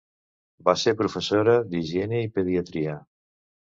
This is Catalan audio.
Va ser professora d'higiene i pediatria.